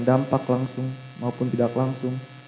dampak langsung maupun tidak langsung